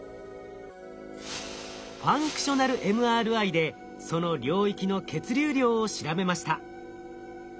ファンクショナルＭＲＩでその領域の血流量を調べました。